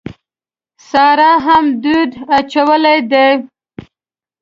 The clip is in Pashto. سارا هم دود اچولی دی.